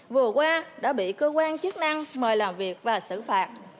vừa qua đã bị cơ quan chức năng mời làm việc và xử phạt